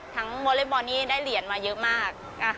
วอเล็กบอลนี้ได้เหรียญมาเยอะมาก